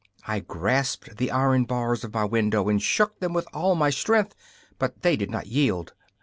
I grasped the iron bars of my window and shook them with all my strength, but they did not yield.